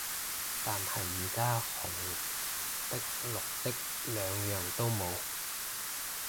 但係而家紅的綠的兩樣都冇